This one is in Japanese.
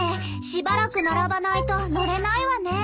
しばらく並ばないと乗れないわね。